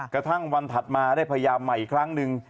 กระทั่งวันถัดมาได้พยายามใหม่อีกครั้งหนึ่ง